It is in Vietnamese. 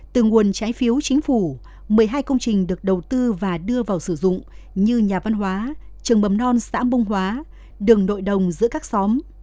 từ nguồn trái phiếu chính phủ một mươi hai công trình được đầu tư và đưa vào sử dụng như nhà văn hóa trường mầm non xã mông hóa đường nội đồng giữa các xóm